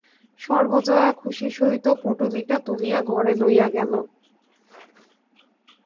সর্বজয়া খুশির সহিত পুঁটুলিটা তুলিয়া ঘরে লইযা গেল।